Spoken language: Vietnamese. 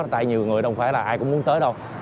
tại nhiều người đồng phải là ai cũng muốn tới đâu